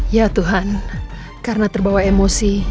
ya tuhan karena terbawa emosi